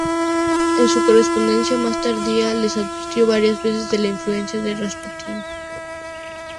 En su correspondencia más tardía, les advirtió varias veces de la influencia de Rasputín.